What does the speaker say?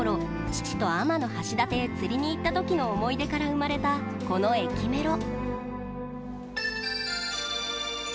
父と天橋立へ釣りに行ったときの思い出から生まれた、この駅メロ。